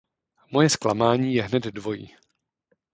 Moje zklamání je hned dvojí.